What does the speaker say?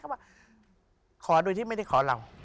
ว่าขอโดยที่ไม่ได้ขอเรา